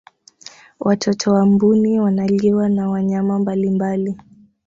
watoto wa mbuni wanaliwa na wanyama mbalimbali